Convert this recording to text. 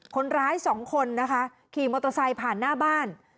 คนร้ายสองคนนะคะขี่มอเตอร์ไซค์ผ่านหน้าบ้าน